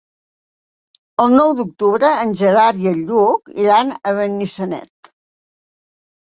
El nou d'octubre en Gerard i en Lluc iran a Benissanet.